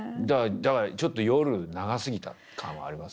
だからちょっと夜長すぎた感はあります？